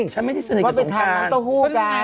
ฉันไม่ได้สนิทกับสงกรานก็ไปทานน้ำเต้าหู้กัน